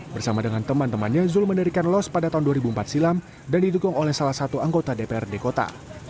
bersama dengan teman temannya zul mendirikan los pada tahun dua ribu empat silam dan didukung oleh salah satu anggota dprd kota